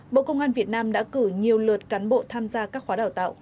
bộ công an việt nam đã cử nhiều lượt cán bộ tham gia các khóa đào tạo